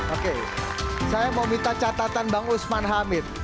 oke saya mau minta catatan bang usman hamid